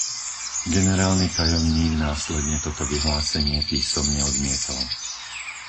Generálny tajomník následne toto vyhlásenie písomne odmietol.